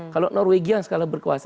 kalau norwegian skala berkuasa itu berarti